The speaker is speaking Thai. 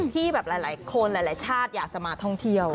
ที่แบบหลายคนหลายชาติอยากจะมาท่องเที่ยว